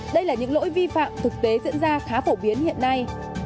đây là những lỗi vi phạm thực tế diễn ra khá phổ biến hiện nay